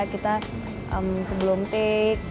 kita sebelum take